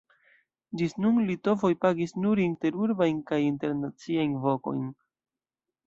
Ĝis nun litovoj pagis nur interurbajn kaj internaciajn vokojn.